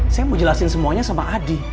saya mau jelasin semuanya sama adi